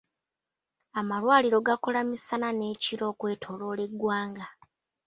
Amalwaliro gakola misana n'ekiro okwetooloola eggwanga.